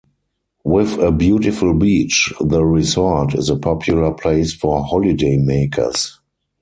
With a beautiful beach, the resort is a popular place for holidaymakers.